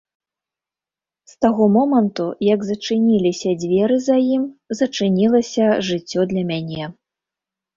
З таго моманту, як зачыніліся дзверы за ім, зачынілася жыццё для мяне.